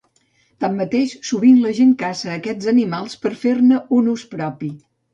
Tanmateix, sovint la gent caça aquests animals per a fer-ne un ús propi.